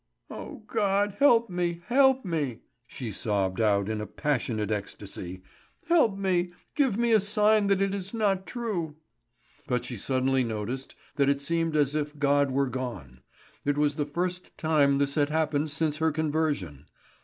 "O God, help me! Help me!" she sobbed out in passionate ecstasy. "Help me! Give me a sign that it is not true!" But she suddenly noticed that it seemed as if God were gone. It was the first time this had happened since her conversion.